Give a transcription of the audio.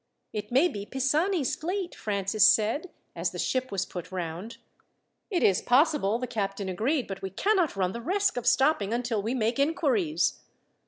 "It may be Pisani's fleet," Francis said, as the ship was put round. "It is possible," the captain agreed; "but we cannot run the risk of stopping until we make inquiries."